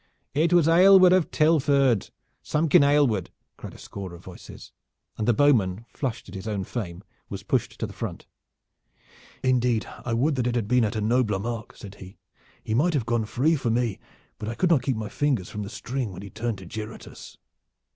"It was Aylward of Tilford Samkin Aylward," cried a score of voices, and the bowman, flushed at his own fame, was pushed to the front. "Indeed I would that it had been at a nobler mark," said he. "He might have gone free for me, but I could not keep my fingers from the string when he turned to jeer at us."